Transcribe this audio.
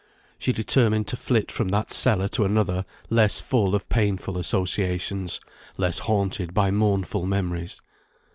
She determined to flit from that cellar to another less full of painful associations, less haunted by mournful memories.